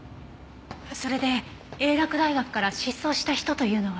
それで英洛大学から失踪した人というのは？